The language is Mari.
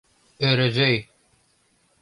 Ӧрӧзӧй.